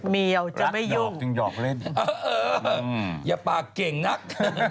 เมียวจะไม่ยุ่งเอออย่าปากเก่งนัก